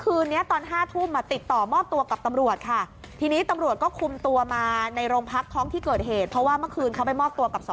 เขาไม่พูดดีกว่าอ่ะพี่แป๊บแล้วทำไมเราถึงจะต้องไปมีปัญหาเขาไปยิงเขา